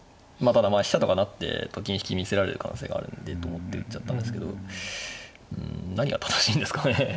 ただ飛車とか成ってと金引き見せられる可能性があるんでと思って打っちゃったんですけど何が正しいんですかね。